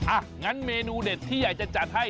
อ่ะงั้นเมนูเด็ดที่อยากจะจัดให้